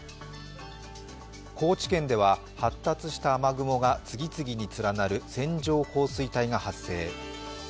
高知県では発達した雨雲が次々につらなる線状降水帯が発生。